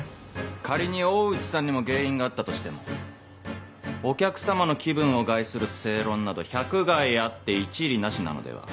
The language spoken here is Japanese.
仮に大内さんにも原因があったとしてもお客様の気分を害する正論など百害あって一利なしなのでは？